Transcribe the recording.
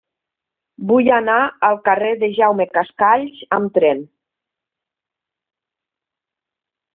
Vull anar al carrer de Jaume Cascalls amb tren.